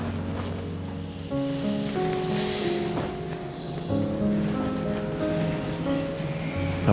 aku pengen tanya soal papa